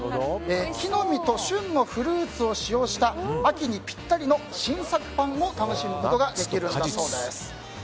木の実と旬のフルーツを使用した秋にぴったりの新作パンも楽しむことができます。